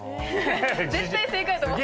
絶対正解やと思った。